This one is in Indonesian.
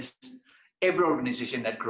setiap organisasi yang tumbuh